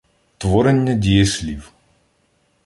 Творення дієслів